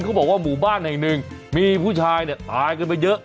เขาบอกว่าหมู่บ้านีหนึ่งมีผู้ชายหายขึ้นไปเยอะ